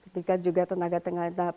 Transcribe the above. ketika juga tenaga tinggal di tahap